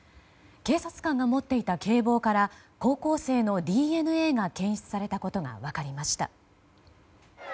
警察官が持っていた警棒から高校生のＤＮＡが検出されたことが分かりました。